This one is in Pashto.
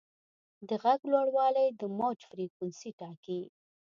د غږ لوړوالی د موج فریکونسي ټاکي.